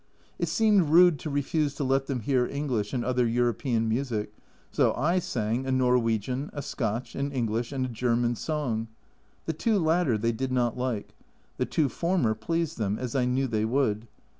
It seemed rude to refuse to let them hear English and other European music, so / sang a Norwegian, a Scotch, an English, and a German song ; the two latter they did not like the two former pleased them, as I knew they would.